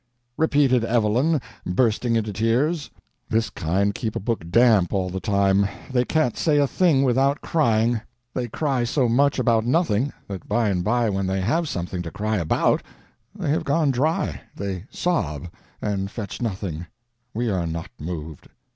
"... repeated Evelyn, bursting into tears." (This kind keep a book damp all the time. They can't say a thing without crying. They cry so much about nothing that by and by when they have something to cry ABOUT they have gone dry; they sob, and fetch nothing; we are not moved.